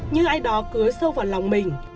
như ai đó cứa sâu vào lòng mình